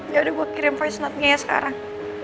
yaudah gue kirim voice note nya ya sekarang